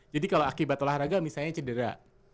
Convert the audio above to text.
jadi kalau akibat olahraga misalnya cedera